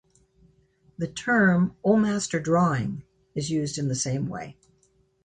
The term "old master drawing" is used in the same way.